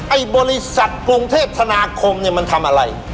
ไอ้บริษัทกรุงเทพธนาคมเนี่ยมันทำอะไร